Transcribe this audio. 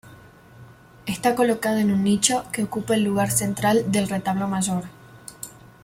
Está colocada en un nicho que ocupa el lugar central del retablo mayor.